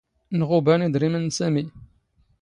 ⵏⵖⵓⴱⴰⵏ ⵉⴷⵔⵉⵎⵏ ⵏ ⵙⴰⵎⵉ.